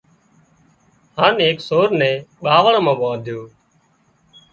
هانَ ايڪ سور نين ٻاوۯ مان ٻانڌيو